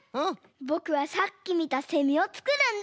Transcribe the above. ぼくはさっきみたセミをつくるんだ。